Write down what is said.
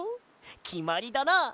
きまりだな！